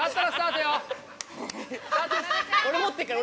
俺持ってっから。